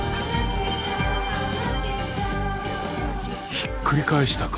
ひっくり返したか。